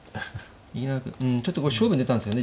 ちょっとこれ勝負に出たんですよね